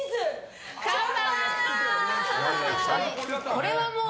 これはもう。